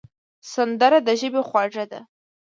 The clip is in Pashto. سندره د ژبې خواږه ده